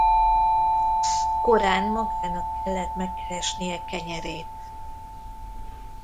Korán magának kellett megkeresnie kenyerét.